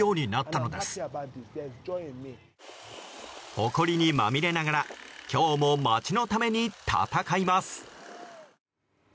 ほこりにまみれながら今日も町のために戦います。